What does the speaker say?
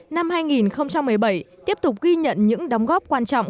năm hai nghìn một mươi bảy tiếp tục ghi nhận những đóng góp quan trọng